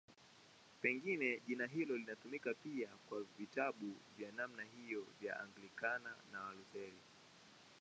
Pengine jina hilo linatumika pia kwa vitabu vya namna hiyo vya Anglikana na Walutheri.